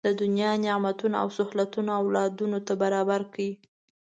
دنیا نعمتونه او سهولتونه اولادونو ته برابر کړي.